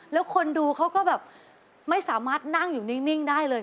แล้วคนดูเขาก็แบบไม่สามารถนั่งอยู่นิ่งได้เลย